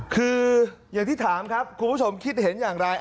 คืออย่างที่ถามครับคุณผู้ชมคิดเห็นอย่างไร